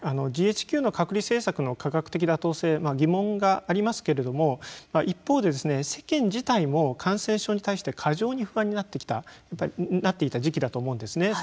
ＧＨＱの隔離政策の科学的妥当性疑問がありますけれども一方で世間自体も感染症に対して過剰に不安になってきたなっていた時期だと思うんですね。